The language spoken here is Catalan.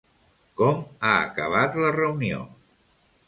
Com ha acabat la reunió?